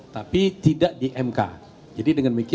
tapi tidak di mk